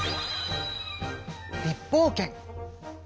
立法権。